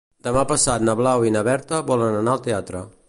Demà passat na Blau i na Berta volen anar al teatre.